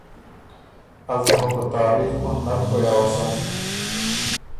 از بُو خه په تاریخ اُن نک پویٛ اؤسم